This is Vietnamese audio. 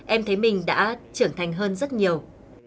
em thấy mình đã trưởng thành hơn rất nhiều